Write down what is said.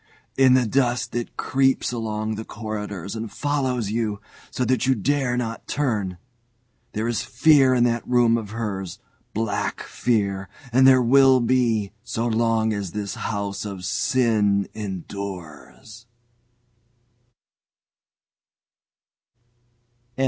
In the dusk it creeps along the corridor and follows you, so that you dare not turn. There is Fear in that room of hers black Fear, and there will be so long as this house of sin endures."